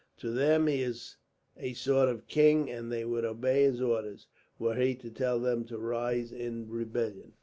To them he is a sort of king, and they would obey his orders, were he to tell them to rise in rebellion.